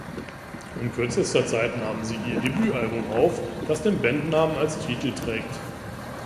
In kürzester Zeit nahmen sie ihr Debütalbum auf, das den Bandnamen als Titel trägt.